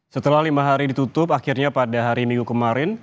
setelah lima hari ditutup akhirnya pada hari minggu kemarin